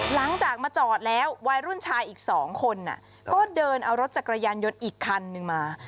หลังจากมาจอดแล้ววัยรุ่นชายอีก๒คนก็เดินเอารถจักรยานยนต์อีกคันนึงมา